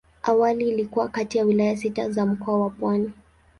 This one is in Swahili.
Awali ilikuwa kati ya wilaya sita za Mkoa wa Pwani.